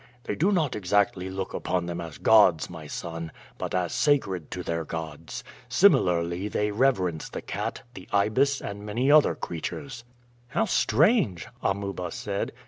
"They do not exactly look upon them as gods, my son, but as sacred to their gods. Similarly they reverence the cat, the ibis, and many other creatures." "How strange!" Amuba said.